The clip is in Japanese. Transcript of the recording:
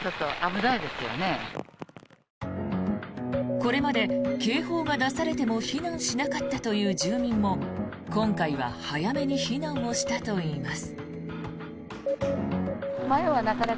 これまで警報が出されても避難しなかったという住民も今回は早めに避難をしたといいます。